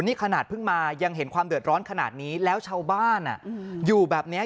นี่ขนาดเพิ่งมายังเห็นความเดือดร้อนขนาดนี้แล้วชาวบ้านอยู่แบบเนี้ย